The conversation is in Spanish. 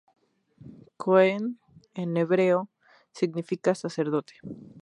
Cohen en hebreo significa sacerdote.